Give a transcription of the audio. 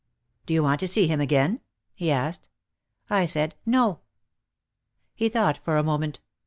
"Do you want to see him again ?" he asked. I said: "No." He thought for a moment.